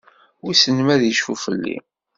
Wissen ma ad icfu fell-i?